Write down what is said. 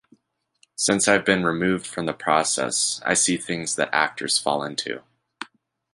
Since I've been removed from the process I see things that actors fall into.